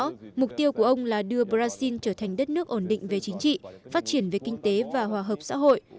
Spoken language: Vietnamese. tổng thống temer nêu rõ mục tiêu của ông là đưa brazil trở thành đất nước ổn định về chính trị phát triển về kinh tế và hòa hợp xã hội